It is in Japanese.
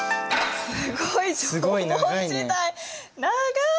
すごい縄文時代長い！